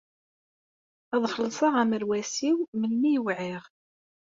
Ad xellṣeɣ amerwas-iw melmi i wɛiɣ.